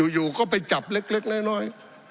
อยู่ก็ไปจับเล็กน้อย